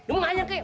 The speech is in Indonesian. dia mau nanya kek